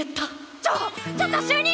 ちょちょっと主任！